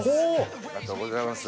ありがとうございます。